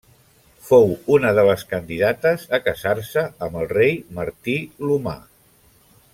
Fou una de les candidates a casar-se amb el rei Martí l'Humà.